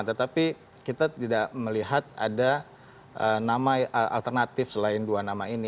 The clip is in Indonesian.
tetapi kita tidak melihat ada nama alternatif selain dua nama ini